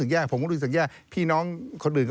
เพราะผมเพื่อนผมก็ต้องรู้ค่ะ